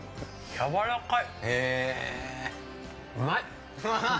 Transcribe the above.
やわらかい。